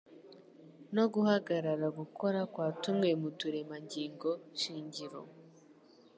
no guhagarara gukora kwa tumwe mu turemangingo shingiro